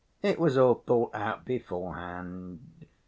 It was all thought out beforehand."